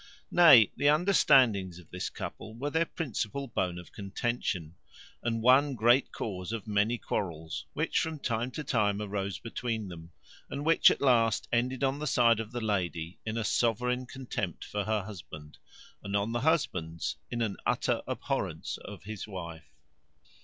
Nay, the understandings of this couple were their principal bone of contention, and one great cause of many quarrels, which from time to time arose between them; and which at last ended, on the side of the lady, in a sovereign contempt for her husband; and on the husband's, in an utter abhorrence of his wife.